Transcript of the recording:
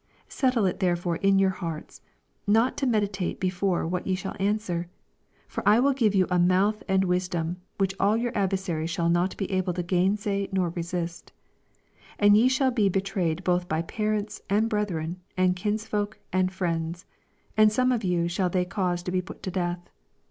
14 Settle it therefore in your hearts. 15 For I will give you a mouth and wisdom, which all your adversaries shall not be able to gainsay nor resist. 16 And ye shall be betrayed boti by parents, and brethren, and kins folks, and friends ; and some of you shall they cause to be put to death.